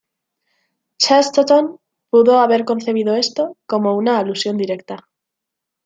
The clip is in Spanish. Chesterton pudo haber concebido esto como una alusión directa.